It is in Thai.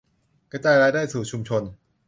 กระจายรายได้สู่ชุมชน